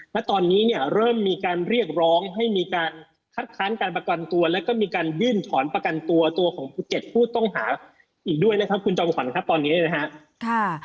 ณตอนนี้เนี่ยเริ่มมีการเรียกร้องให้มีการคัดค้านการประกันตัวแล้วก็มีการยื่นถอนประกันตัวตัวของ๗ผู้ต้องหาอีกด้วยนะครับคุณจอมขวัญครับตอนนี้นะครับ